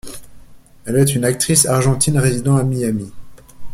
Elle est une actrice argentine résidant à Miami.